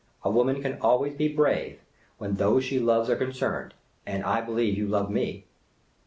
A woman can always be brave, where those she loves are concerned ; and I believe you love me."